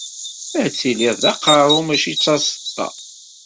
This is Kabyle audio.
Ad tiliḍ d aqerru mačči d taseṭṭa.